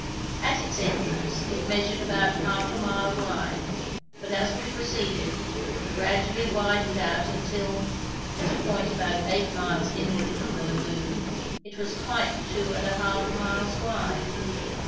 At its entrance it measured about half a mile wide, but as we proceeded it gradually widened out until, at a point about eight miles inward from the lagoon, it was quite two and a half miles wide.